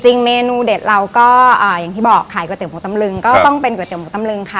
เมนูเด็ดเราก็อย่างที่บอกขายก๋วยเตี๋หมูตำลึงก็ต้องเป็นก๋วยเตี๋หมูตำลึงค่ะ